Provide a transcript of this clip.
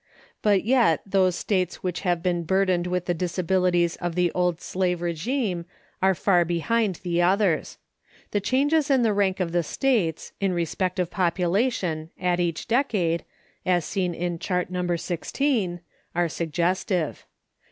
But yet those States which have been burdened with the disabilities of the old slave régime are far behind the others. The changes in the rank of the States, in respect of population, at each decade, as seen in Chart No. XVI, are suggestive.